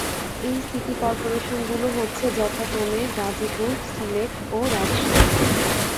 এই সিটি করপোরেশনগুলো হচ্ছে যথাক্রমে গাজীপুর, সিলেট ও রাজশাহী।